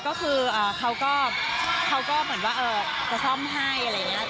ก็คือเขาก็เหมือนว่าจะซ่อมให้อะไรอย่างนี้